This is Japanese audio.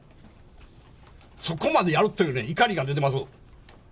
そこまでやるっていうね、怒りが出てます。